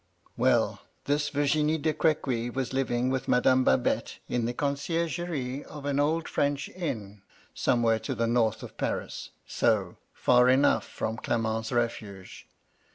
" Well ; this Vir^nie de Crequy was living with Madame Babette in the condirgerie of an old French inn, somewhere to the north of Paris, so, far enough from Clement's refuge.